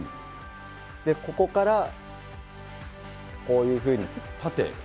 ここからこういうふうに。